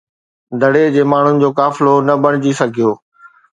دڙي جي ماڻهن جو قافلو نه بڻجي سگهيو.